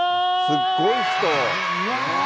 すっごい人。